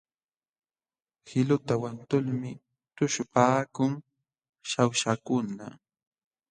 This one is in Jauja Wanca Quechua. Qiluta wantulmi tuśhupaakun Shawshakuna.